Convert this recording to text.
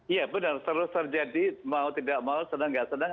iya benar terus terjadi mau tidak mau senang gak senang